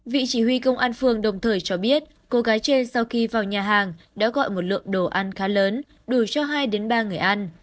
vị chỉ huy công an phường đồng thời cho biết cô gái trên sau khi vào nhà hàng đã gọi một lượng đồ ăn khá lớn đủ cho hai ba người ăn